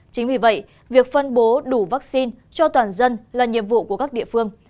chính vì vậy việc phân bố đủ vaccine cho toàn dân là nhiệm vụ của các địa phương